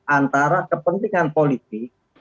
antara kepentingan timnas israel dan kepentingan u dua puluh